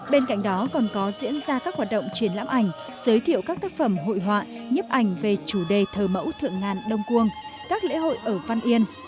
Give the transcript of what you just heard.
bên cạnh đó còn có diễn ra các hoạt động triển lãm ảnh giới thiệu các tác phẩm hội họa nhếp ảnh về chủ đề thờ mẫu thượng ngàn đông quương các lễ hội ở văn yên